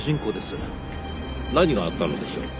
何があったのでしょう？